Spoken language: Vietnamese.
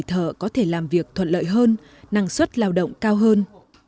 thợ có thể làm việc thuận lợi hơn năng suất lao động cao hơn